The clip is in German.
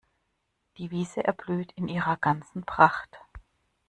Die Wiese erblüht in ihrer ganzen Pracht.